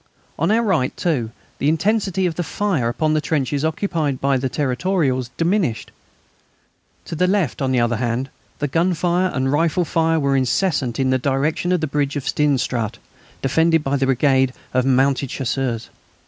On our right, too, the intensity of the fire upon the trenches occupied by the Territorials diminished. To the left, on the other hand, the gun fire and rifle fire were incessant in the direction of the bridge of Steenstraate, defended by the Brigade of mounted Chasseurs.